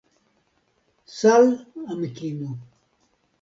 Sal' amikino